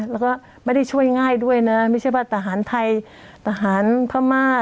แล้วก็ไม่ได้ช่วยง่ายด้วยนะไม่ใช่ว่าทหารไทยทหารพม่า